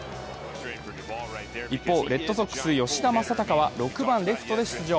一方、レッドソックスの吉田正尚は６番・レフトで出場。